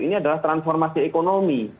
ini adalah transformasi ekonomi